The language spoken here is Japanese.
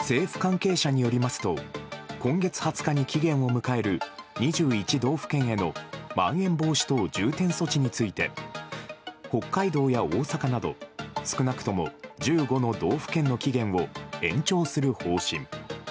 政府関係者によりますと今月２０日に期限を迎える２１道府県へのまん延防止等重点措置について北海道や大阪など少なくとも１５の道府県の期限を延長する方針。